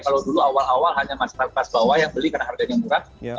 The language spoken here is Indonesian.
kalau dulu awal awal hanya masyarakat kelas bawah yang beli karena harganya murah